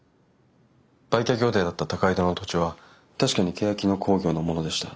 売却予定だった高井戸の土地は確かにけやき野興業のものでした。